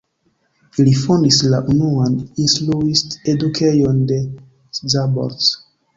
Ili fondis la unuan instruist-edukejon en Szabolcs.